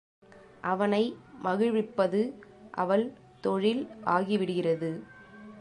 அவனை மகிழ்விப்பது அவள் தொழில் ஆகி விடுகிறது.